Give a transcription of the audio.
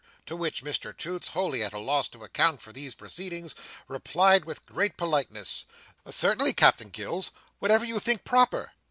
To which Mr Toots, wholly at a loss to account for these proceedings, replied with great politeness, "Certainly, Captain Gills, whatever you think proper!"